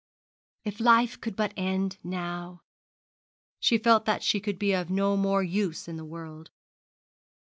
If life could but end now! She felt that she could be of no more use in the world.